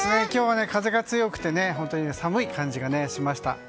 今日は風が強くて本当に寒い感じがしました。